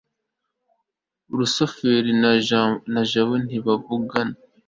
rusufero na jabo ntibavugana